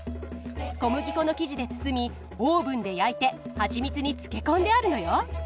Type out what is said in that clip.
小麦粉の生地で包みオーブンで焼いてハチミツに漬け込んであるのよ。